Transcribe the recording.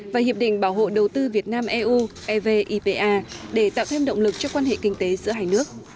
và hiệp định bảo hộ đầu tư việt nam eu evipa để tạo thêm động lực cho quan hệ kinh tế giữa hai nước